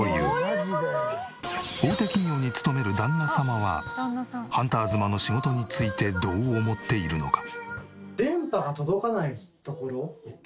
大手企業に勤める旦那様はハンター妻の仕事についてどう思っているのか？